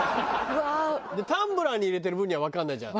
タンブラーに入れてる分にはわかんないじゃん。